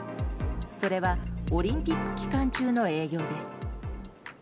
それはオリンピック期間中の営業です。